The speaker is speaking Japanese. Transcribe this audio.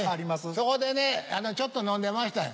そこでねちょっと飲んでましたよ。